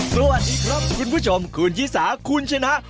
สวัสดีครับคุณผู้ชมคุณชิสาคุณชนะ